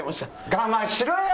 我慢しろよ！